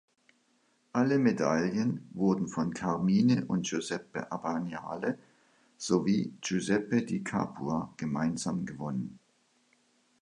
Alle Medaillen wurden von Carmine und Giuseppe Abbagnale sowie Giuseppe Di Capua gemeinsam gewonnen.